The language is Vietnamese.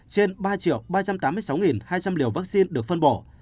trên ba ba trăm tám mươi sáu hai trăm linh liều vaccine được phân bổ